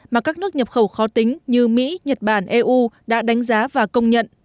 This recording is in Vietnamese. mà các nước nhập khẩu khó tính như mỹ nhật bản eu đã đánh giá và công nhận